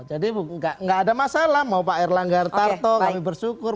jadi gak ada masalah mau pak erlangga artarto kami bersyukur